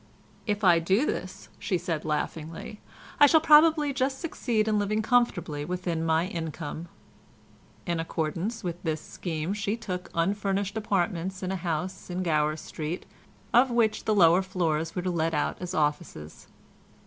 "If I do this," she said laughingly, "I shall probably just succeed in living comfortably within my income." In accordance with this scheme she took unfurnished apartments in a house in Gower Street, of which the lower floors were let out as offices.